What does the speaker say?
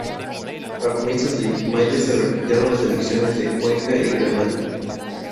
A comienzos de mayo se repitieron las elecciones en Cuenca y Granada.